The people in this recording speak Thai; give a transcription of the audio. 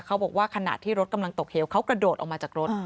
เขาบอกว่าขณะที่รถกำลังตกเหวเขากระโดดออกมาจากรถ